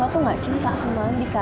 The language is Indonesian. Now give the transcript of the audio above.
lo tuh gak cinta semalam dika